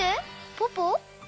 ポポ？